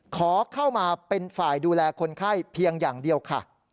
ขอเข้ามาเป็นฝ่ายดูแลคนไข้เพียงอย่างเดียวค่ะ